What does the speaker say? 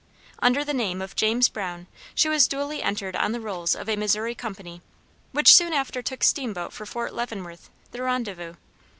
Under the name of James Brown, she was duly entered on the rolls of a Missouri company, which soon after took steamboat for Fort Leavenworth, the rendezvous.